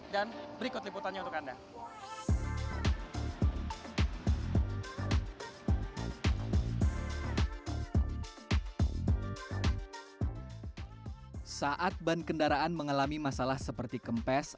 dan berikut liputannya untuk anda saat ban kendaraan mengalami masalah seperti kempes